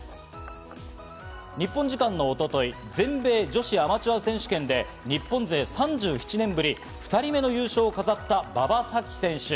日本時間の一昨日、全米女子アマチュア選手権で日本勢３７年ぶり２人目の優勝を飾った、馬場咲希選手。